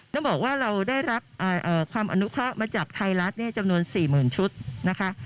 ต้องบอกว่าเราได้รับความอนุเคราะห์มาจากไทยรัฐจำนวน๔๐๐๐ชุดนะคะ